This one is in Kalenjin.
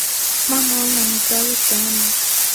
Mamwoun amitwogik che aame